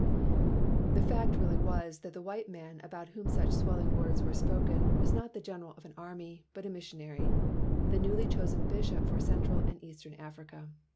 The fact really was that the white man about whom such swelling words were spoken was not the general of an army, but a missionary, the newly chosen bishop for Central and Eastern Africa.